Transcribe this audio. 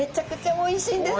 おいしいです。